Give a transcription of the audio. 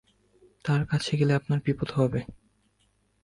তার কাছে গেলে আপনার বিপদ হবে।